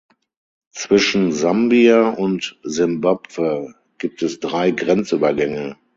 Zwischen Sambia und Simbabwe gibt es drei Grenzübergänge.